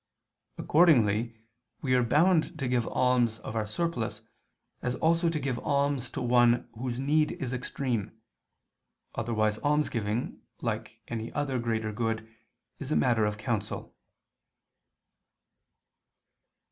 Accordingly we are bound to give alms of our surplus, as also to give alms to one whose need is extreme: otherwise almsgiving, like any other greater good, is a matter of counsel.